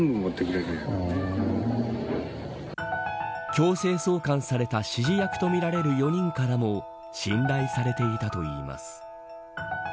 強制送還された指示役とみられる４人からも信頼されていたといいます。